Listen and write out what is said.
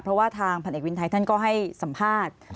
เพราะว่าทางพันเอกวินไทยท่านก็ให้สัมภาษณ์